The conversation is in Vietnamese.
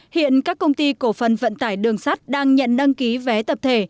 hiện các công ty cổ phần vận tải đường sắt đang nhận đăng ký vé tập thể